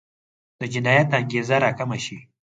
د جنایت انګېزه راکمه شي.